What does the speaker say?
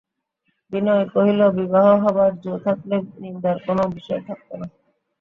বিনয় কহিল, বিবাহ হবার জো থাকলে নিন্দার কোনো বিষয় থাকত না।